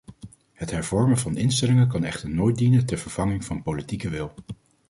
Het hervormen van instellingen kan echter nooit dienen ter vervanging van politieke wil.